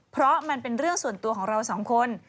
เพราะมันเป็นเรื่องส่วนตัวของเราสองคน